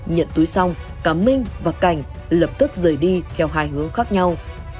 nhận túi xong cả minh và cảnh lập tức rời đi theo hai hướng khác nhau